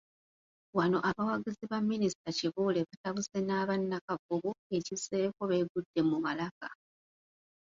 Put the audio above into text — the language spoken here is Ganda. Wano abawagizi ba Minisita Kibuule batabuse n'aba Nakavubu ekizzeeko beegudde mu malaka.